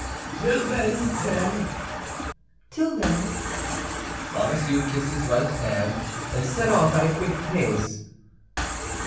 "Till then, then?" "Till then." Bonacieux kissed his wife's hand, and set off at a quick pace.